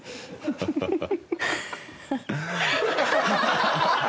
ハハハハハ。